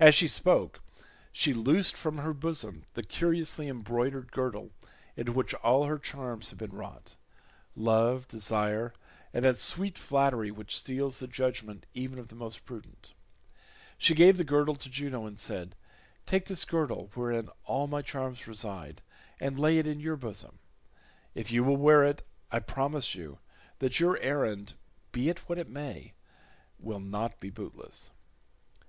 As she spoke she loosed from her bosom the curiously embroidered girdle into which all her charms had been wrought—love, desire, and that sweet flattery which steals the judgement even of the most prudent. She gave the girdle to Juno and said, "Take this girdle wherein all my charms reside and lay it in your bosom. If you will wear it I promise you that your errand, be it what it may, will not be bootless."